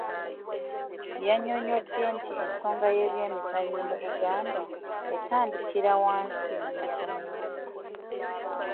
Yannyonnyodde nti ensonga ey'emizannyo mu Buganda, etandikira wansi mu masomero.